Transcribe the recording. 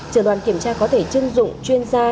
trường đoàn kiểm tra có thể chưng dụng chuyên gia